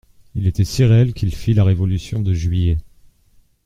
Il était si réel qu'il fit la révolution de Juillet.